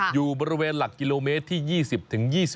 อยู่บริเวณหลักกิโลเมตรที่๒๐๒๐